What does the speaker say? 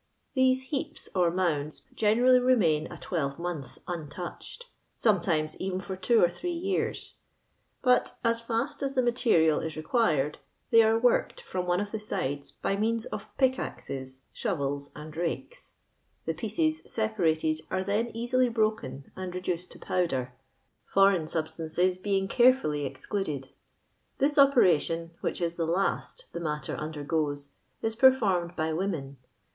Them/ he^)S or mounds generally remain a twelvemonth untouched, sometimes even for two or three year» ; bat ^ fast as the material Is required, they ara worked from one of the sides by means of pickaxea, abarels, and rakes ; the pieces separated are then easily broken and reductxl to powdor. foreign sub^ stances being careflilly excluded. This operation, which is the last the matter undergoes^ is peiformcHl by women.